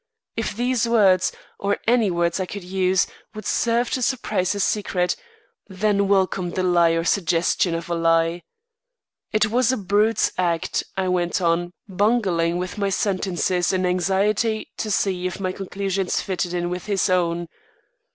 If these words, or any words I could use, would serve to surprise his secret, then welcome the lie or suggestion of a lie. "It was a brute's act," I went on, bungling with my sentences in anxiety to see if my conclusions fitted in with his own.